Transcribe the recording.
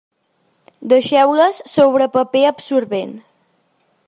Deixeu-les sobre paper absorbent.